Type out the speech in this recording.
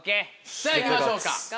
さぁ行きましょうか。